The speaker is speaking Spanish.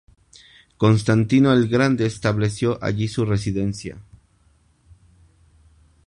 Constantino el Grande estableció allí su residencia.